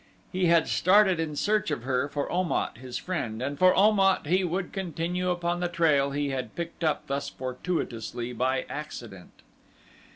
He had started in search of her for Om at, his friend, and for Om at he would continue upon the trail he had picked up thus fortuitously by accident.